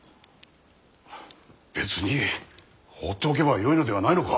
別に放っておけばよいのではないのか。